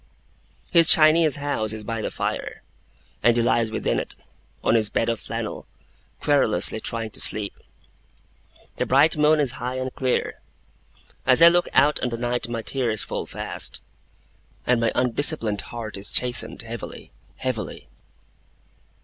His Chinese house is by the fire; and he lies within it, on his bed of flannel, querulously trying to sleep. The bright moon is high and clear. As I look out on the night, my tears fall fast, and my undisciplined heart is chastened heavily heavily.